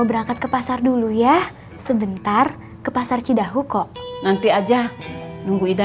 berangkat ke pasar dulu ya sebentar ke pasar cidahu kok nanti aja nunggu ida